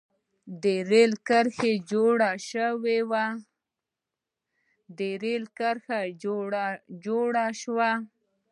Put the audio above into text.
د رېل کرښه جوړه شوه.